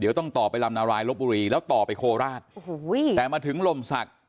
เดี๋ยวต้องต่อไปลำนารายลบบุรีแล้วต่อไปโคราชโอ้โหแต่มาถึงลมศักดิ์